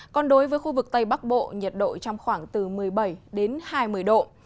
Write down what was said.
còn đối với khu vực tây bắc bộ nhiệt độ trong khoảng một mươi bảy hai mươi độ